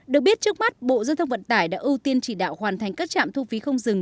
được biết trước mắt bộ giao thông vận tải đã ưu tiên chỉ đạo hoàn thành các trạm thu phí không dừng